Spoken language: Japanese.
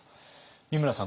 美村さん